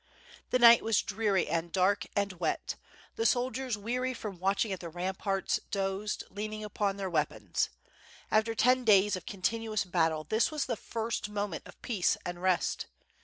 The night was dreary, and dark, and wet; the soldiers weary from watching at the ramparts, dozed, leaning upon their weapons. After ten days of continuous battle, this was the first moment of peace and rest.